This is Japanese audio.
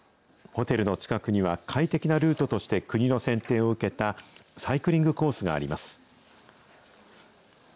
ホテルの近くには、快適なルートとして国の選定を受けた、サイクリングコースがあります。